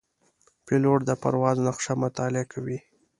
پیلوټ د پرواز نقشه مطالعه کوي.